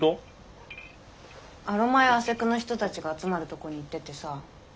アロマやアセクの人たちが集まるとこに行っててさ。